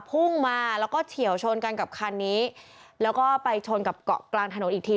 พุ่งมาแล้วก็เฉียวชนกันกับคันนี้แล้วก็ไปชนกับเกาะกลางถนนอีกที